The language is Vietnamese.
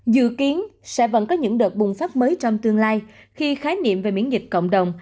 dự kiến sẽ vẫn có những đợt bùng phát mới trong tương lai khi khái niệm về miễn dịch cộng đồng